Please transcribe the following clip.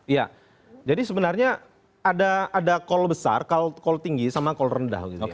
iya jadi sebenarnya ada kol besar kol tinggi sama kol rendah